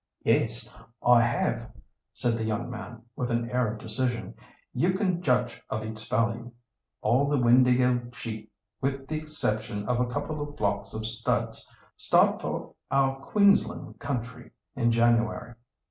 "Yes, I have," said the young man, with an air of decision. "You can judge of its value. All the Windāhgil sheep, with the exception of a couple of flocks of studs, start for our Queensland country in January.